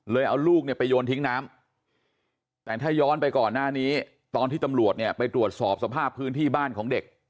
เอาลูกเนี่ยไปโยนทิ้งน้ำแต่ถ้าย้อนไปก่อนหน้านี้ตอนที่ตำรวจเนี่ยไปตรวจสอบสภาพพื้นที่บ้านของเด็ก